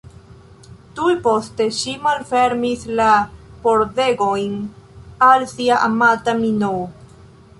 Tuj poste, ŝi malfermis la pordegojn al sia amata Minoo.